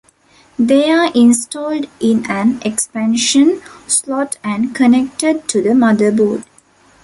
They are installed in an expansion slot and connected to the motherboard.